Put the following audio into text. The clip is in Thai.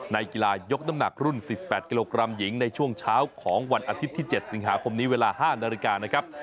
ในกีฬายกน้ำหนักรุ่น๔๘กิโลกรัมหญิงในช่วงเช้าของวันอาทิตย์ที่๗สิงหาคมนี้เวลา๕นาฬิกานะครับ